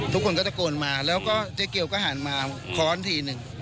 ทุกคนก็ตะโกนมาแล้วก็เจ๊เกียวก็หันมาค้อนทีหนึ่ง